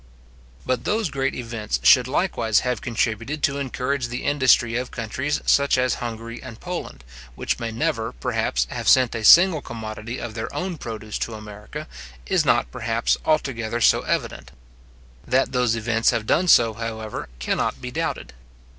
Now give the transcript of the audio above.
But that those great events should likewise have contributed to encourage the industry of countries such as Hungary and Poland, which may never, perhaps, have sent a single commodity of their own produce to America, is not, perhaps, altogether so evident. That those events have done so, however, cannot be doubted.